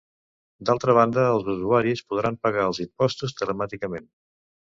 D'altra banda, els usuaris podran pagar els impostos telemàticament.